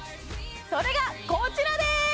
それがこちらです